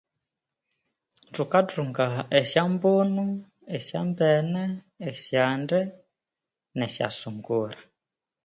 Thukathunga esya mbuno, esya mbene, esyande nesya sungura.